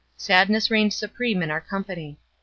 Sadness reigned supreme in our company.